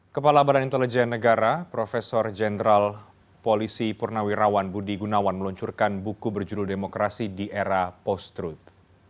kepala badan intelijen negara prof jenderal polisi purnawirawan budi gunawan meluncurkan buku berjudul demokrasi di era post truth